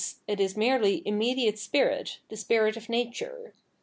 it is merely im mediate spirit, the spirit of nature.